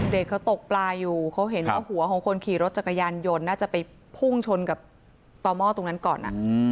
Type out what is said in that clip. เด็กเขาตกปลาอยู่เขาเห็นว่าหัวของคนขี่รถจักรยานยนต์น่าจะไปพุ่งชนกับต่อหม้อตรงนั้นก่อน